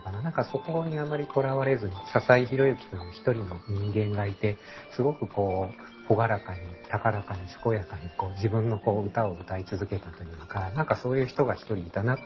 そこにあんまりとらわれずに笹井宏之という一人の人間がいてすごく朗らかに高らかに健やかに自分の歌を歌い続けたというか何かそういう人が一人いたなっていうこと。